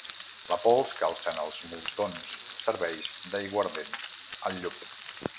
La pols que alcen els moltons serveix d'aiguardent al llop.